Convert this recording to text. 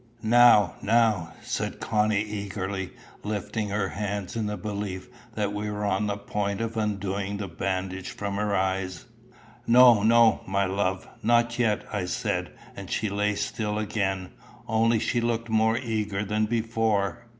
"Now, now!" said Connie eagerly, lifting her hands in the belief that we were on the point of undoing the bandage from her eyes. "No, no, my love, not yet," I said, and she lay still again, only she looked more eager than before.